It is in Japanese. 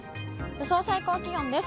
予想最高気温です。